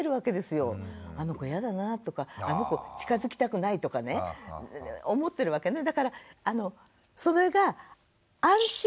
あの子やだなぁとかあの子近づきたくないとかね思ってるわけね。